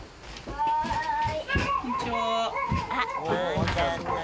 はい。